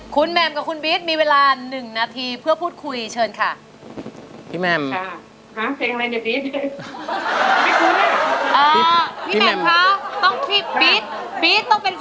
คุณแมร์กำคันฟิศมีเวลาหนึ่งนาทีเพื่อพูดคุยเชิญค่ะจฉะเฮ้อ